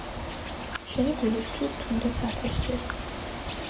“შენი გულისთვის, თუნდაც ათასჯერ...”